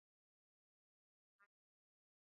غول د خوړو د پاتې شونو مجموعه ده.